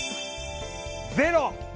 ゼロ！